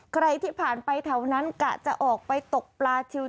ใครที่ผ่านไปแถวนั้นกะจะออกไปตกปลาชิว